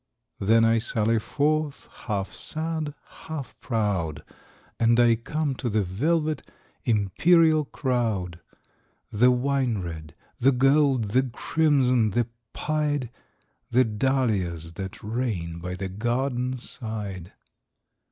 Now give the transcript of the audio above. Then, I sally forth, half sad, half proud, And I come to the velvet, imperial crowd, The wine red, the gold, the crimson, the pied,—The dahlias that reign by the garden side.